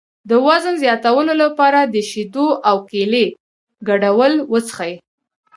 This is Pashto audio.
د وزن زیاتولو لپاره د شیدو او کیلې ګډول وڅښئ